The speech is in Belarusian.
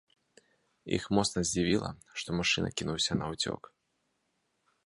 Іх моцна здзівіла, што мужчына кінуўся наўцёк.